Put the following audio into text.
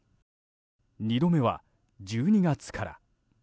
二度目は、１２月から。